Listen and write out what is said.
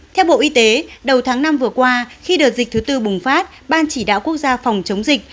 theo bộ y tế đầu tháng năm vừa qua khi đợt dịch thứ tư bùng phát ban chỉ đạo quốc gia phòng chống dịch